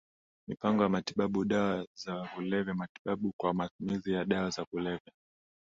Mipango ya matibabu ya dawa za kulevya Matibabu kwa matumizi ya dawa za kulevya